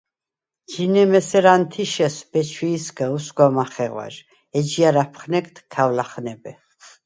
– ჯინემ ესერ ა̈ნთიშეს ბეჩვიჲსგა უსგვა მახეღვა̈ჟ, ეჯჲა̈რ აფხნეგდ ქავ ლახნებე.